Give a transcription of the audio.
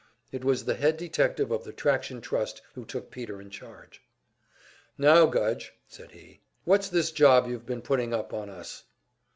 It was the head detective of the Traction Trust who took Peter in charge. "Now, Gudge," said he, "what's this job you've been putting up on us?"